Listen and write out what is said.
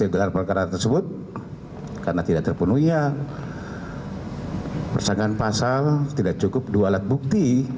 gelar perkara tersebut karena tidak terpenuhinya persangkaan pasal tidak cukup dua alat bukti